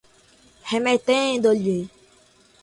remetendo-lhe